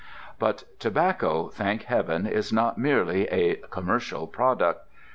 But tobacco, thank heaven, is not merely a "commercial product."